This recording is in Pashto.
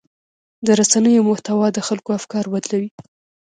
د رسنیو محتوا د خلکو افکار بدلوي.